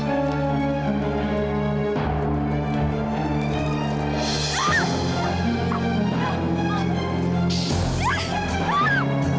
barangku kembala zahira